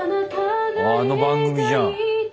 あの番組じゃん。